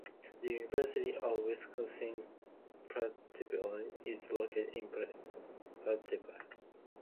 The University of Wisconsin-Platteville is located in Platteville.